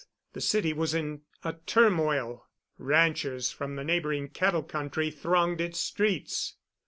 The city was in a turmoil. Ranchers from the neighboring cattle country thronged its streets.